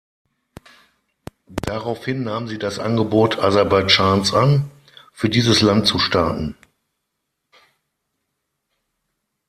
Daraufhin nahm sie das Angebot Aserbaidschans an, für dieses Land zu starten.